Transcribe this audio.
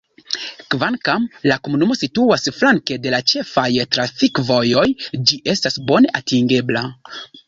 Kvankam la komunumo situas flanke de la ĉefaj trafikvojoj ĝi estas bone atingebla.